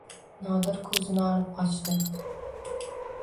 Nodir ko‘zini olib qochdi.